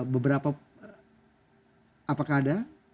beberapa apakah ada